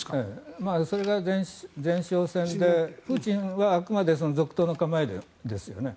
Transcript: それが前哨戦でプーチンはあくまで続投の構えですよね。